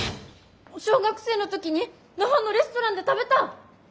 小学生の時に那覇のレストランで食べた！